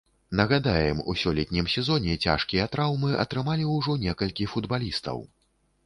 Нагадаем, у сёлетнім сезоне цяжкія траўмы атрымалі ўжо некалькі футбалістаў.